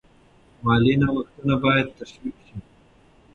مالي نوښتونه باید تشویق شي.